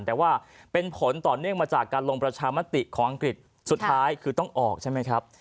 แต่ว่าเป็นผลต่อเนื่องมาจากการลงประชามติของอังกฤษสุดท้ายคือต้องออกใช่ไหมครับ